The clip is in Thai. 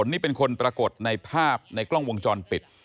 ที่ปรากฏในภาพในกล้องวงจรปิด